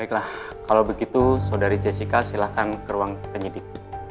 baiklah kalau begitu saudari jessica silahkan ke ruang penyidik